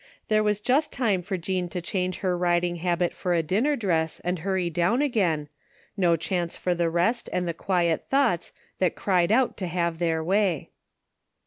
There was just time for Jean to change her riding habit for a dinner dress and hurry down again, no chance for the rest and the quiet thoughts that cried out to have their way.